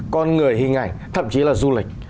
con người hình ảnh thậm chí là du lịch